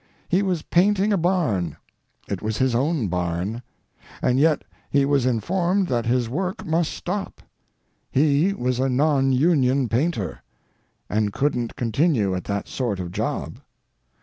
He was painting a barn—it was his own barn—and yet he was informed that his work must stop; he was a non union painter, and couldn't continue at that sort of job.